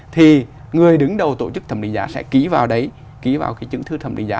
thì người đứng đầu tổ chức thẩm định giá sẽ ký vào đấy ký vào cái chứng thư thẩm định giá